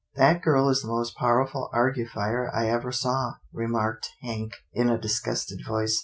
" That girl is the most powerful argufier I ever saw," remarked Hank in a disgusted voice.